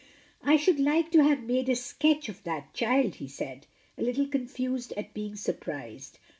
"I should like to have made a sketch of that child," he said, a little confused at being surprised.